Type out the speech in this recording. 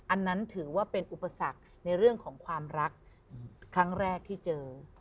อันนั้นถือว่าเป็นอุปสรรคในเรื่องของความรักครั้งแรกที่เจอ